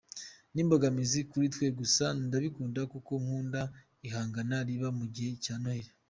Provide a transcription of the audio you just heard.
N’imbogamizi kuri twe gusa ndabikunda kuko nkunda ihangana riba mu gihe cya Noheri.